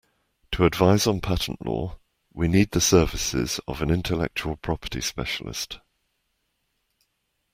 To advise on patent law, we need the services of an intellectual property specialist